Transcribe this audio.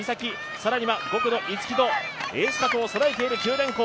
更には５区の逸木とエース格をそろえている九電工。